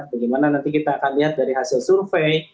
bagaimana nanti kita akan lihat dari hasil survei